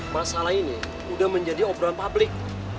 masalah ini sudah menjadi obrolan publik